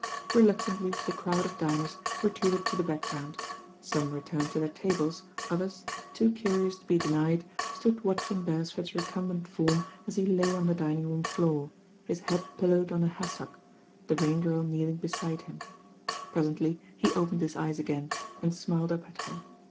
Reluctantly the crowd of diners retreated to the background. Some returned to their tables, others, too curious to be denied, stood watching Beresford's recumbent form as he lay on the dining room floor, his head pillowed on a hassock, the Rain Girl kneel ing beside him. Presently he opened his eyes again and smiled up at her.